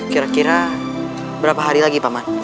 kira kira berapa hari lagi pak man